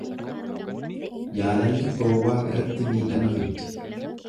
Jaalalli gowwaa biratti miidhama fiddi.